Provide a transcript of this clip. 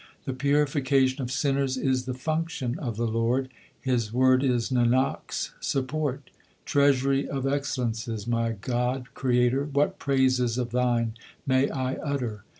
The purification of sinners is the function of the Lord ; His word is Nanak s support. Treasury of excellences, my God, Creator, what praises of Thine may I utter